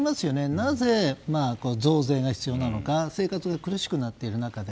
なぜ、増税が必要なのか生活が苦しくなっている中で。